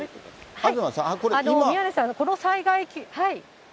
宮根さん、この災害。